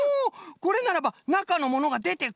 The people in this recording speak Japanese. これならばなかのものがでてこない！